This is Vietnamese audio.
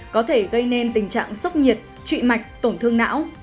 có thể gây nên tình trạng sốc nhiệt trụy mạch tổn thương não